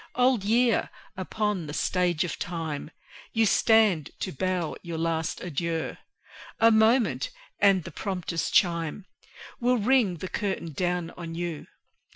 Old Year! upon the Stage of Time You stand to bow your last adieu; A moment, and the prompter's chime Will ring the curtain down on you.